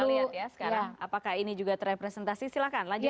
kita lihat ya sekarang apakah ini juga terrepresentasi silahkan lanjutkan